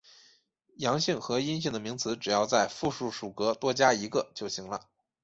阳性和阴性的名词只要在复数属格多加一个就行了。